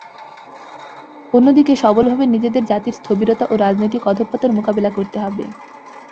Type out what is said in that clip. অন্যদিকে, সবলভাবে নিজেদের জাতির স্থবিরতা ও রাজনৈতিক অধঃপতন মোকাবিলা করতে হবে।